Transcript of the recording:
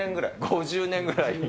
５０年ぐらい。